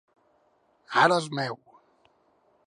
Ara és meu.